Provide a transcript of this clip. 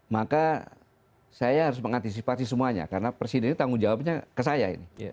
maka saya harus mengantisipasi semuanya karena presiden ini tanggung jawabnya ke saya ini